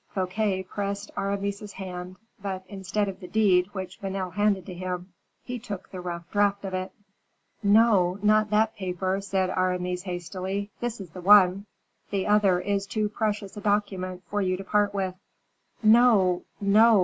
Fouquet pressed Aramis's hand; but, instead of the deed which Vanel handed to him, he took the rough draft of it. "No, not that paper," said Aramis, hastily; "this is the one. The other is too precious a document for you to part with." "No, no!"